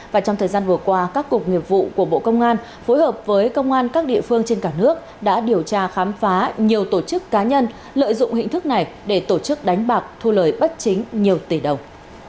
và trong thời gian vừa qua các cục nghiệp vụ của bộ công an phối hợp với công an các địa phương trên cả nước đã điều tra khám phá nhiều tổ chức cá nhân lợi dụng hình thức này để tổ chức đánh bạc thu lời bất chính nhiều tỷ đồng